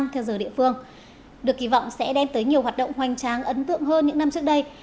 theo giờ địa phương được kỳ vọng sẽ đem tới nhiều hoạt động hoành tráng ấn tượng hơn những năm trước đây